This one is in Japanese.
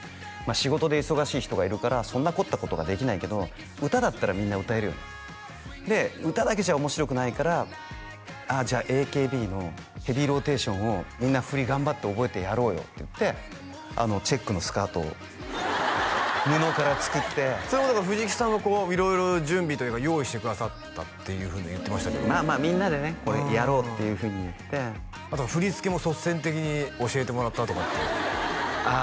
仕事で忙しい人がいるからそんな凝ったことができないけど歌だったらみんな歌えるよねで歌だけじゃ面白くないからじゃあＡＫＢの「ヘビーローテーション」をみんな振り頑張って覚えてやろうよっていってチェックのスカートを布から作ってそれこそ藤木さんが色々準備というか用意してくださったっていうふうに言ってましたけどまあまあみんなでねこれやろうっていうふうに言ってあと振り付けも率先的に教えてもらったとかってあ